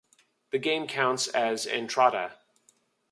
The game counts as "Entrada".